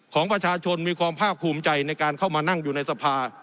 ของประชาชนมีความภาคภูมิใจในการเข้ามานั่งอยู่ในสภา